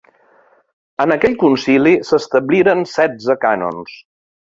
En aquest concili s'establiren setze cànons.